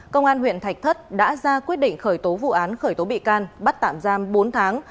công an huyện thạch thất đã ra quyết định khởi tố vụ án khởi tố bị can bắt tạm giam bốn tháng